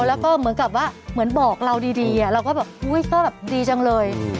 แล้วก็เหมือนกับว่าเหมือนบอกเราดีเราก็แบบอุ๊ยก็แบบดีจังเลย